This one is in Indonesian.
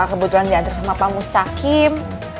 pak kebetulan diantar sama pak mustaqim